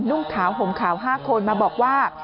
นุ่งขาวห่มขาว๕คนมาบอกว่า